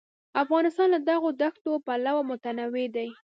افغانستان له دغو دښتو پلوه متنوع دی.